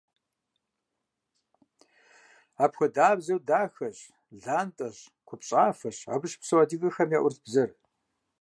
Апхуэдабзэу дахэщ, лантӀэщ, купщӀафӀэщ абы щыпсэу адыгэхэм яӀурылъ бзэр.